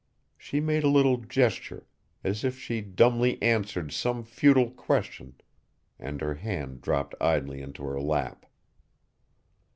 She made a little gesture, as if she dumbly answered some futile question, and her hands dropped idly into her lap.